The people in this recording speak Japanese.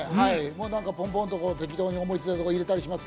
何かポンポンと適当に思いついたことを言ったりします。